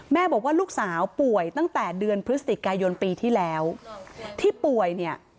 บอกว่าลูกสาวป่วยตั้งแต่เดือนพฤศจิกายนปีที่แล้วที่ป่วยเนี่ย